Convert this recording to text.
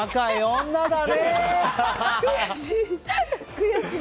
悔しい！